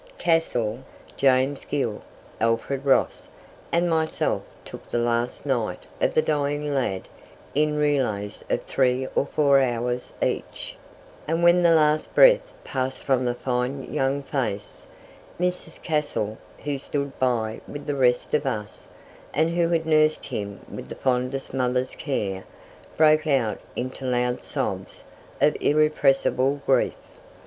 Cassell, James Gill, Alfred Ross, and myself took the last night of the dying lad in relays of three or four hours each; and when the last breath passed from the fine young face, Mrs. Cassell, who stood by with the rest of us, and who had nursed him with the fondest mother's care, broke out into loud sobs of irrepressible grief.